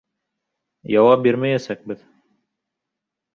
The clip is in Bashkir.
Яуап бирмәйәсәкбеҙ.